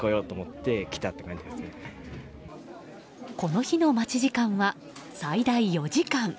この日の待ち時間は最大４時間。